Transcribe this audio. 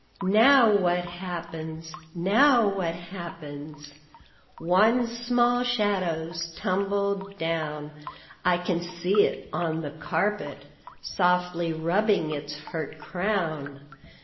"Now what happens, now what happens? One small shadow's tumbled down: I can see it on the carpet, Softly rubbing its hurt crown.